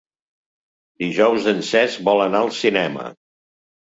Dijous en Cesc vol anar al cinema.